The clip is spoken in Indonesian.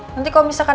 nanti kalau misalkan